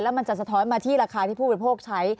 แล้วมันจะสะท้อยมาที่ราคาที่ผู้เป็นโภคใช้